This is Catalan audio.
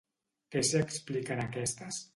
Què s'hi explica en aquestes?